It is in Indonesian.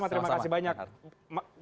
terima kasih banyak mas sama